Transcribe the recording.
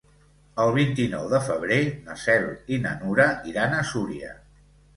El vint-i-nou de febrer na Cel i na Nura iran a Súria.